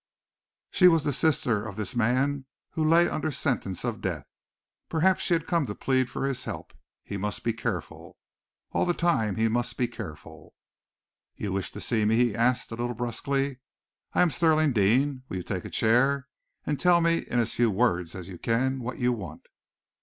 She was the sister of this man who lay under sentence of death. Perhaps she had come to plead for his help. He must be careful. All the time he must be careful! "You wish to see me?" he asked, a little brusquely. "I am Stirling Deane. Will you take a chair, and tell me in as few words as you can what you want?"